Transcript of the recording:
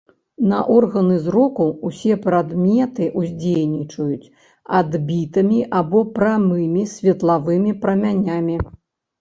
На органы зроку ўсе прадметы уздзейнічаюць адбітымі або прамымі светлавымі прамянямі.